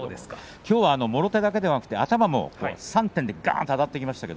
きょうはもろ手だけではなく頭も３点でがっとあたっていきました。